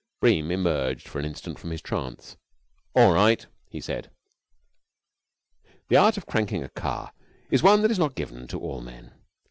Bream emerged for an instant from his trance. "All right," he said. The art of cranking a car is one that is not given to all men.